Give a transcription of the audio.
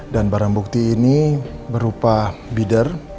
dan barang bukti ini berupa bider